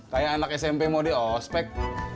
kayak anak smp mau di ospek